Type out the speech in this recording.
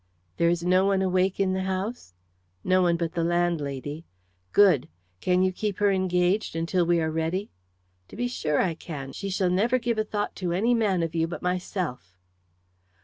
"There is no one awake in the house?" "No one but the landlady." "Good! Can you keep her engaged until we are ready?" "To be sure I can. She shall never give a thought to any man of you but myself."